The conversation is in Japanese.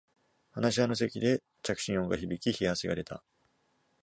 話し合いの席で着信音が響き冷や汗が出た